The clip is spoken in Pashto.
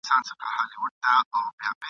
ځای پر ځای به وي ولاړ سر به یې ښوري !.